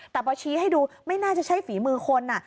แต่พอชี้ให้ดูไม่น่าจะใช่ฝีมือคน